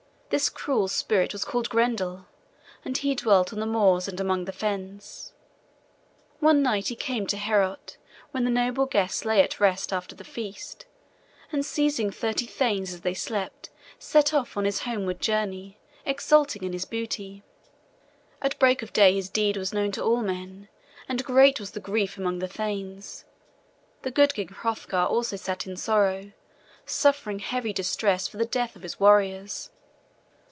This cruel spirit was called Grendel, and he dwelt on the moors and among the fens. One night he came to Heorot when the noble guests lay at rest after the feast, and seizing thirty thanes as they slept, set off on his homeward journey, exulting in his booty. At break of day his deed was known to all men, and great was the grief among the thanes. The good King Hrothgar also sat in sorrow, suffering heavy distress for the death of his warriors.